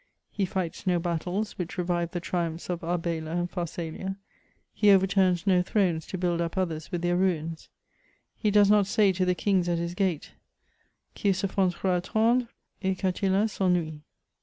He fights no battles which revive the triumphs of Arbela and Pharsalia ; he overturns no thrones to build up others with their ruins ; he does not say to the kings at his gate :*< Qu'ils se font trop attendre, et qu'Attila s'emiuie."